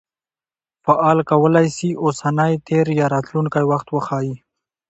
فعل کولای سي اوسنی، تېر یا راتلونکى وخت وښيي.